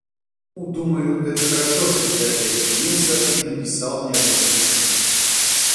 Ну, думаю, это хорошо, что ты опять женился и написал мне об этом письмо.